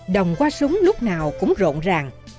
đồng qua súng lúc nào cũng rộn ràng